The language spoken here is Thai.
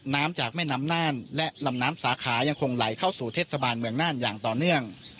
น้ำจากแม่น้ำน่านและลำน้ำสาขายังคงไหลเข้าสู่เทศบาลเมืองน่านอย่างต่อเนื่อง